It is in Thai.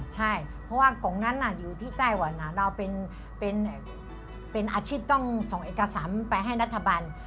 ใช่เพราะว่ากล่องนั้นอยู่ที่ไต้หวันเราเป็นอาชีพต้องส่งเอกสารไปให้รัฐบาล